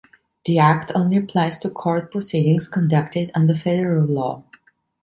The Act only applies to court proceedings conducted under federal law.